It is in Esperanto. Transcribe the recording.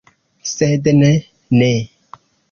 Sed ne, ne!